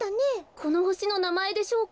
このほしのなまえでしょうか？